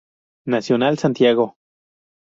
Nacional, Santiago.